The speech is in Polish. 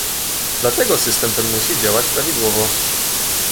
Dlatego system ten musi działać prawidłowo